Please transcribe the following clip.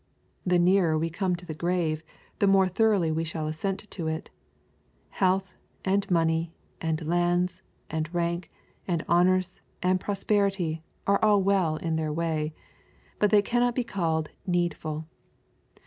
The nearer we come to the grave, the more thoroughly we shall assent to it. Health, and money, and lands, and rank, and honors^ and prosperity, are all well in their way. But they cannot be called needful.